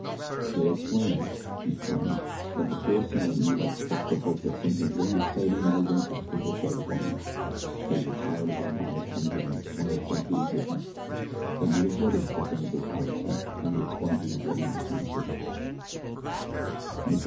"They explained," he continued, "that before sailing you had expressed the hope that something really exciting and adventurous would befall the party that you were tired of the monotonous humdrum of twentieth century existence that you regretted the decadence of piracy, and the expunging of romance from the seas. "Mr.